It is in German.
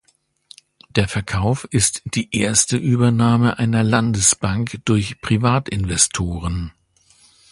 Der Verkauf ist die erste Übernahme einer Landesbank durch Privatinvestoren.